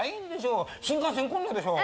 新幹線混んだでしょう？